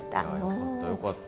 よかったよかった。